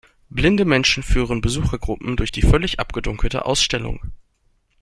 Blinde Menschen führen Besuchergruppen durch die völlig abgedunkelte Ausstellung.